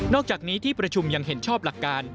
อกจากนี้ที่ประชุมยังเห็นชอบหลักการ